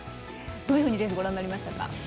どういうふうにレースをご覧になりましたか？